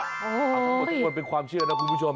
กับมันเป็นความเชื่อนะคุณผู้ชม